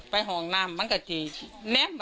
ไปห่องน้ำมันก็ทีแล้วละ